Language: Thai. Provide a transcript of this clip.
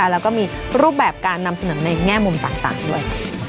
แล้วก็มีรูปแบบการนำเสนอในแง่มุมต่างด้วย